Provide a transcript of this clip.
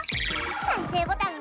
再生ボタン。